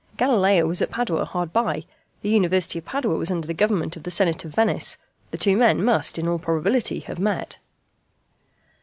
Galileo was at Padua hard by: the University of Padua was under the government of the Senate of Venice: the two men must in all probability have met.